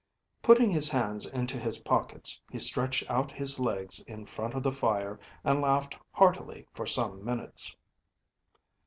Putting his hands into his pockets, he stretched out his legs in front of the fire and laughed heartily for some minutes.